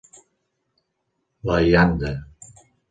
La landa.